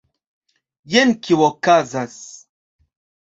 Jen kio okazas